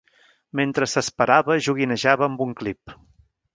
Mentre s'esperava joguinejava amb un clip.